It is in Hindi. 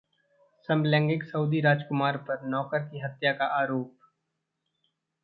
समलैंगिक सउदी राजकुमार पर नौकर की हत्या का आरोप